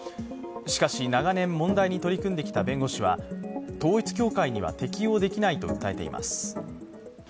しかし長年、問題に取り組んできた弁護士は統一教会には適用できないと訴えています。